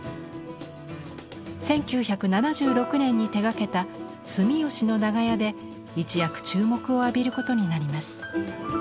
１９７６年に手がけた「住吉の長屋」で一躍注目を浴びることになります。